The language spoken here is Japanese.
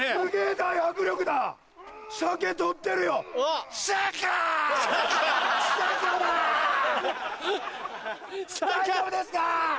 大丈夫ですか？